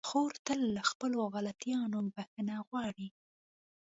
خور تل له خپلو غلطيانو بخښنه غواړي.